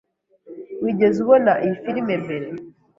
Wigeze ubona iyi firime mbere?